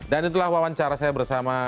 dan itulah wawancara saya bersama